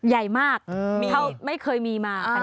ใหญ่มากไม่เคยมีมา